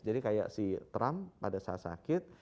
jadi kayak si trump pada saat sakit